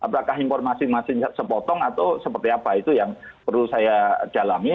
apakah informasi masih sepotong atau seperti apa itu yang perlu saya dalami